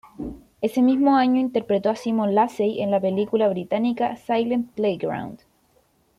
Ese mismo año interpretó a Simon Lacey en la película británica "Silent Playground".